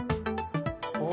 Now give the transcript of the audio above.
お！